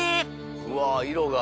うわぁ色が。